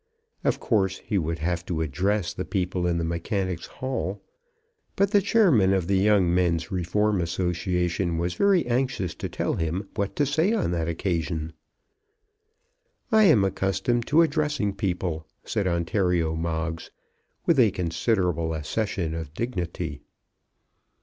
Of course he would have to address the people in the Mechanics' Hall; but the chairman of the Young Men's Reform Association was very anxious to tell him what to say on that occasion. "I am accustomed to addressing people," said Ontario Moggs, with a considerable accession of dignity.